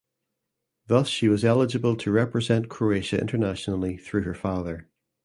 Thus she was eligible to represent Croatia internationally through her father.